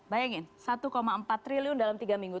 bayangin satu empat triliun dalam tiga minggu